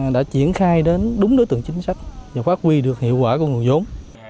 đã triển khai đến đúng đối tượng chính sách và phát huy được hiệu quả của nguồn giống